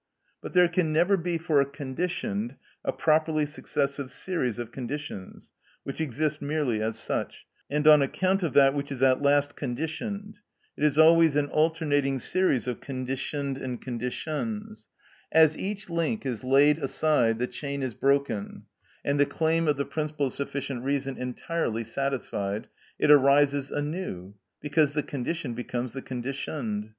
But there can never be for a conditioned a properly successive series of conditions, which exist merely as such, and on account of that which is at last conditioned; it is always an alternating series of conditioneds and conditions; as each link is laid aside the chain is broken, and the claim of the principle of sufficient reason entirely satisfied, it arises anew because the condition becomes the conditioned.